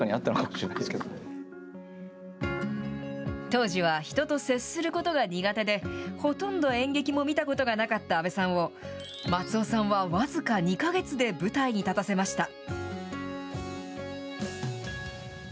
当時は人と接することが苦手で、ほとんど演劇も見たことがなかった阿部さんを、松尾さんは僅か２か月で舞台に立たせました。